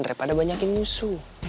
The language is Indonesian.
daripada banyakin musuh